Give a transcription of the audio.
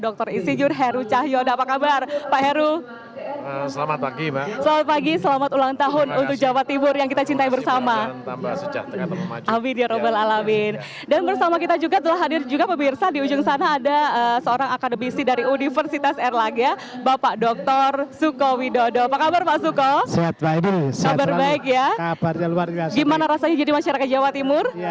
keputusan gubernur jawa timur